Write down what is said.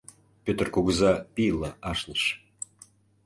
Пӧтыр кугыза пийла ашныш.